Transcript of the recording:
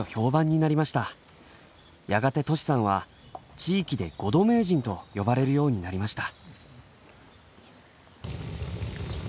やがてとしさんは地域でごど名人と呼ばれるようになりました。